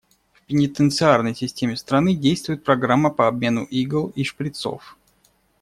В пенитенциарной системе страны действует программа по обмену игл и шприцов.